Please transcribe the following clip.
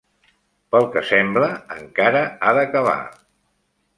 Pel que sembla, encara ha d'acabar.